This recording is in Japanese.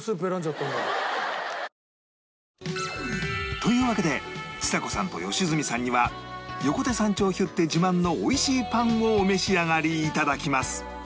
というわけでちさ子さんと良純さんには横手山頂ヒュッテ自慢のおいしいパンをお召し上がりいただきます